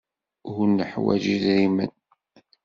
Ur neḥwaj idrimen.